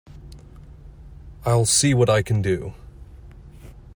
I'll see what I can do.